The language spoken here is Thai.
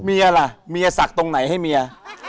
เมียล่ะเมียศักดิ์ตรงไหนให้เมีย